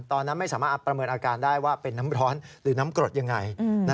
ตอนนั้นไม่สามารถประเมินอาการได้ว่าเป็นน้ำร้อนหรือน้ำกรดยังไง